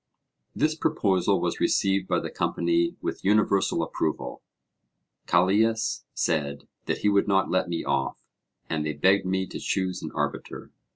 This proposal was received by the company with universal approval; Callias said that he would not let me off, and they begged me to choose an arbiter.